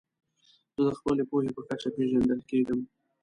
زه د خپلي پوهي په کچه پېژندل کېږم.